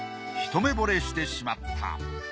ひと目ぼれしてしまった。